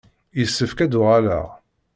Yessefk ad d-uɣaleɣ.